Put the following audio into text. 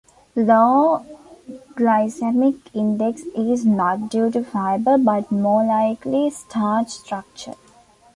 Low glycemic index is not due to fiber but more likely starch structure.